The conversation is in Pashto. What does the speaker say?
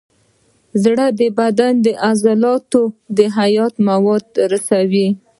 زړه د بدن عضلاتو ته حیاتي مواد رسوي.